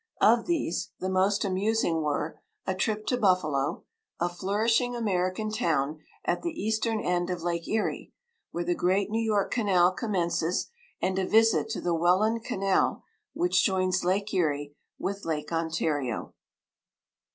Of these, the most amusing were, a trip to Buffalo, a flourishing American town at the eastern end of Lake Erie, where the great New York canal commences; and a visit to the Welland canal, which joins Lake Erie with Lake Ontario."